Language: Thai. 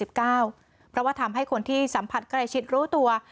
เพราะว่าทำให้คนที่สัมผัสใกล้ชิดรู้ตัว